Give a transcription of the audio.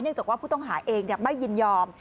จากว่าผู้ต้องหาเองไม่ยินยอม